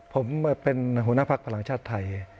ผมเป็นหุนักภักดิ์ฝรั่งชาติไทย